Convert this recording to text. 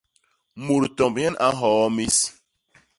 Mut tomb nyen a nhoo mis.